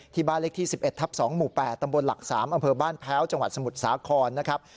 บ้านเลขที่๑๑ทับ๒หมู่๘ตำบลหลัก๓อำเภอบ้านแพ้วจังหวัดสมุทรสาครนะครับ